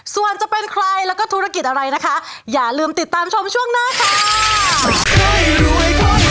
ส่วนจะเป็นใครแล้วก็ธุรกิจอะไรนะคะอย่าลืมติดตามชมช่วงหน้าค่ะ